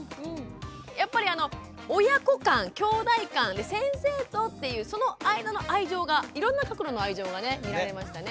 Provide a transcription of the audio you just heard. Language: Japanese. やっぱり親子間きょうだい間先生とっていうその間の愛情がいろんな角度の愛情が見られましたね。